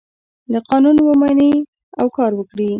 که قانون ومني او کار وکړي.